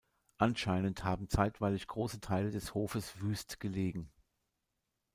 Anscheinend haben zeitweilig große Teile des Hofes wüst gelegen.